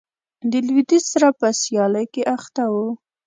د لوېدیځ سره په سیالۍ کې اخته و.